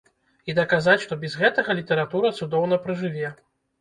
І даказаць, што без гэтага літаратура цудоўна пражыве.